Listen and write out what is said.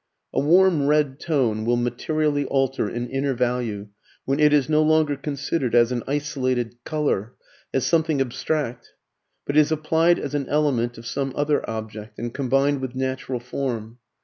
A warm red tone will materially alter in inner value when it is no longer considered as an isolated colour, as something abstract, but is applied as an element of some other object, and combined with natural form.